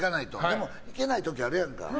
でも行けない時あるやんか。